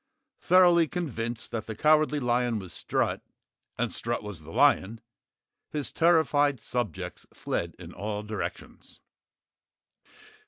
Thoroughly convinced that the Cowardly Lion was Strut and Strut was the lion, his terrified subjects fled in all directions.